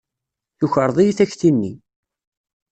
Tukreḍ-iyi takti-nni.